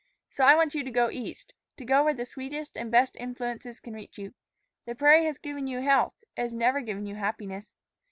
So I want you to go East, to go where the sweetest and best influences can reach you. The prairie has given you health. It has never given you happiness.